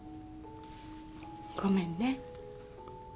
ごめんね